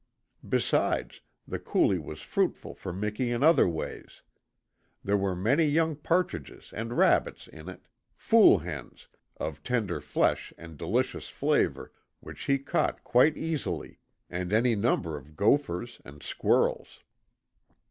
Besides, the coulee was fruitful for Miki in other ways. There were many young partridges and rabbits in it "fool hens" of tender flesh and delicious flavour which he caught quite easily, and any number of gophers and squirrels.